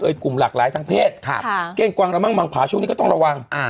เอ๊ยกลุ่มหลากหลายทั้งเพศเก้งกวางระมั่งมังผาช่วงนี้ก็ต้องระวัง